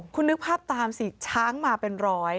คุณนึกภาพตามสิช้างมาเป็นร้อย